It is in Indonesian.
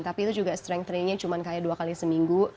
tapi itu juga strength trainingnya cuma kayak dua kali seminggu